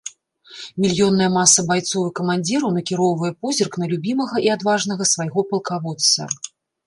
Мільённая маса байцоў і камандзіраў накіроўвае позірк на любімага і адважнага свайго палкаводца.